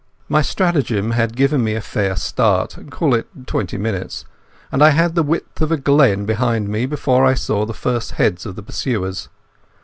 My stratagem had given me a fair start—call it twenty minutes—and I had the width of a glen behind me before I saw the first heads of the pursuers.